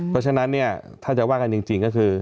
เพราะฉะนั้นเนี่ยถ้าจะว่ากันจริงก็คือ